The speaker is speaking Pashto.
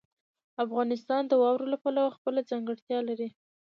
افغانستان د واورو له پلوه خپله ځانګړتیا لري.